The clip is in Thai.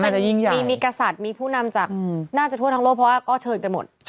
จะยิ่งใหญ่มีกษัตริย์มีผู้นำจากน่าจะทั่วทั้งโลกเพราะว่าก็เชิญกันหมด